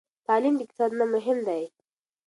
تعلیم د اقتصاد نه مهم دی.